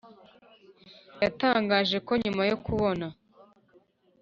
yatangaje ko nyuma yo kubona